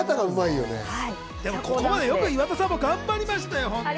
よくここまで岩田さんも頑張りましたよ。